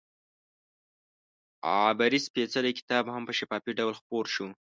عبري سپېڅلی کتاب هم په شفاهي ډول خپور شو.